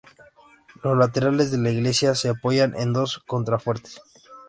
Los laterales de la iglesia se apoyan en dos contrafuertes.